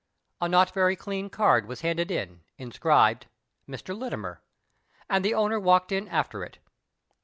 A not very clean card was handed in, inscribed :—" Mk. Littimer," and the owner walked in after it.